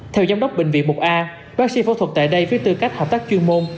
theo giám đốc bệnh viện một a bác sĩ phẫu thuật tại đây với tư cách hợp tác chuyên môn